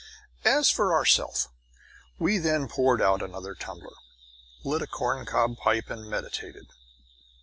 As for ourself, we then poured out another tumbler, lit a corncob pipe, and meditated.